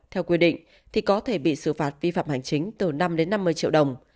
theo quy định thì có thể bị xử phạt vi phạm hành chính từ năm đến năm mươi triệu đồng